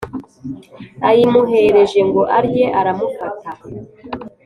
Ayimuhereje ngo arye aramufata